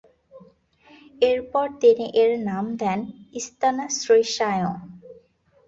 এরপর তিনি এর নাম দেন 'ইস্তানা শ্রী সায়ং'।